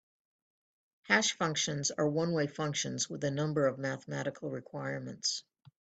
Hash functions are one-way functions with a number of mathematical requirements.